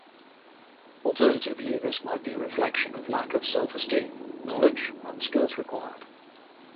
Alternatively this might be a reflection of lack of self-esteem, knowledge and skills required.